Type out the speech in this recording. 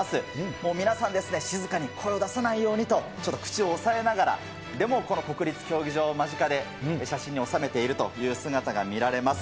もう皆さん、静かに声を出さないようにと、ちょっと口を押えながら、でもこの国立競技場を間近で写真に収めているという姿が見られます。